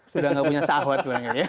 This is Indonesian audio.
sudah nggak punya syahwat